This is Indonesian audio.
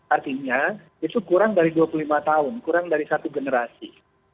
artinya itu kurang dari dua puluh lima tahun kurang dari satu generasi